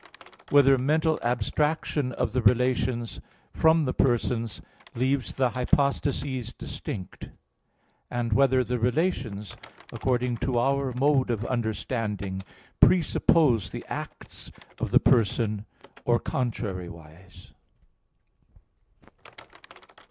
(3) Whether mental abstraction of the relations from the persons leaves the hypostases distinct? (4) Whether the relations, according to our mode of understanding, presuppose the acts of the persons, or contrariwise?